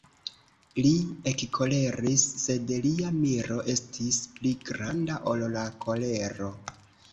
Li ekkoleris, sed lia miro estis pli granda, ol la kolero.